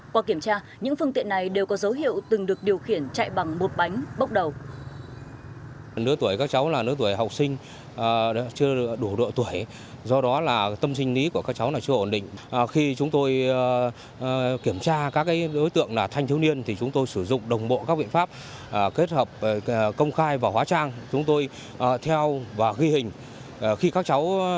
qua kiểm tra những phương tiện này đều có dấu hiệu từng được điều khiển chạy bằng một bánh bốc đầu